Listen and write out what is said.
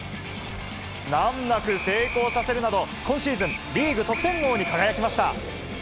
難なく成功させるなど、今シーズン、リーグ得点王に輝きました。